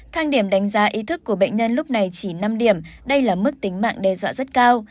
thang điểm đánh giá ý thức của bệnh nhân lúc này chỉ năm điểm đây là mức tính mạng đe dọa rất cao